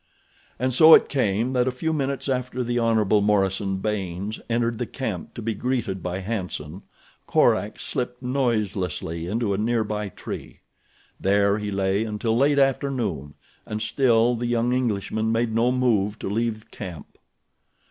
And so it came that a few minutes after the Hon. Morison Baynes entered the camp to be greeted by Hanson, Korak slipped noiselessly into a near by tree. There he lay until late afternoon and still the young Englishman made no move to leave camp.